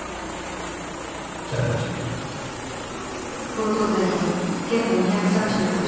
強盗罪は刑法２３６条